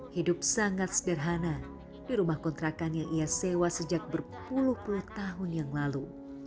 hidup sangat sederhana di rumah kontrakan yang ia sewa sejak berpuluh puluh tahun yang lalu